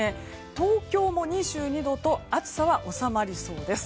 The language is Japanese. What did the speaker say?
東京も２２度と暑さは収まりそうです。